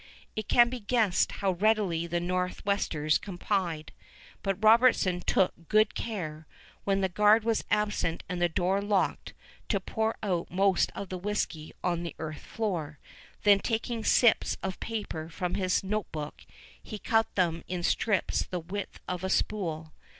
It can be guessed how readily the Nor'westers complied; but Robertson took good care, when the guard was absent and the door locked, to pour out most of the whisky on the earth floor. Then taking slips of paper from his notebook, he cut them in strips the width of a spool.